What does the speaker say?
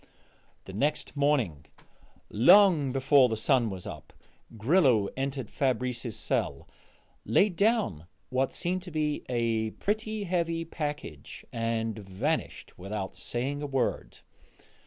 The next morning, long before the sun was up, Grillo entered Fabrice's cell, laid down what seemed to be a pretty heavy package, and vanished without saying a word.